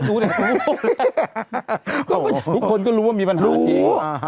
ทุกคนก็รู้ว่ามีปัญหาจริง